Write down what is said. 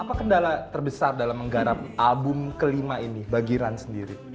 apa kendala terbesar dalam menggarap album kelima ini bagi run sendiri